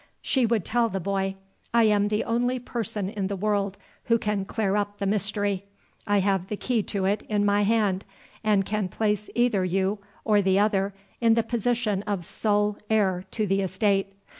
She would tell the boy, "I am the only person in the world who can clear up the mystery. I have the key to it in my hand, and can place either you or the other in the position of sole heir to the estate.